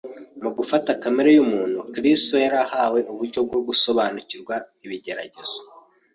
Mu gufata kamere y’umuntu, Kristo yari ahawe uburyo bwo gusobanukirwa ibigeragezo